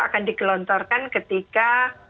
akan digelontorkan ketika